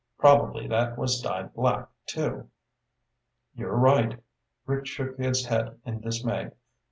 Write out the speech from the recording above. Probably that was dyed black, too." "You're right." Rick shook his head in dismay.